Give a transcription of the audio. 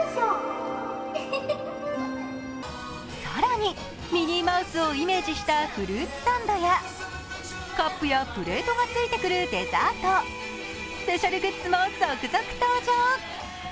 更に、ミニーマウスをイメージしたフルーツサンドや、カップやプレートがついてくるデザート、スペシャルグッズも続々登場。